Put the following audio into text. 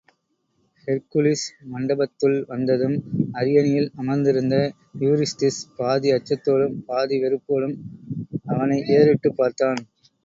Hercules மண்டபத்துள் வந்ததும், அரியனையில் அமர்த்திருந்த யூரிஸ்திஸ் பாதி அச்சத்தோடும், பாதி வெறுப்போடும் அவனை ஏறிட்டுப் பார்த்தான்.